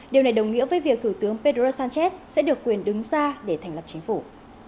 điều này đồng nghĩa với việc thủ tướng pedro sánchez sẽ được quyền đứng ra để thành lập chính phủ